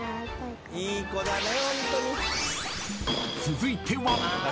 ［続いては］